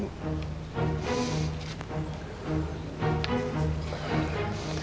ibu yang tabah ya